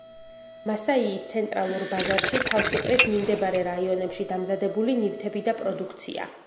მასაიის ცენტრალურ ბაზარში თავს იყრის მიმდებარე რაიონებში დამზადებული ნივთები და პროდუქცია.